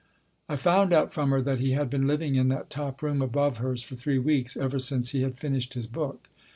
I found out from her that he had been living in that top room above hers for three weeks ever since he had finished his book.